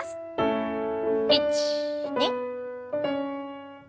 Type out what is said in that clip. １２。